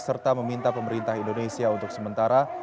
serta meminta pemerintah indonesia untuk sementara